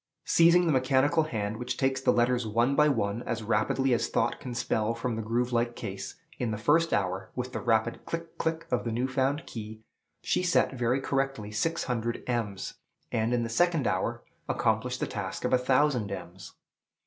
Seizing the mechanical hand, which takes the letters one by one as rapidly as thought can spell from the groove like case, in the first hour, with the rapid click, click, of the new found "key," she set very correctly six hundred ems, and in the second hour accomplished the task of a thousand ems.